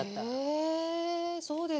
へえそうですか。